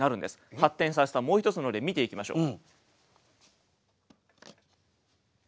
発展させたもう一つの例見ていきましょう。